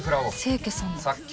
清家さんだ。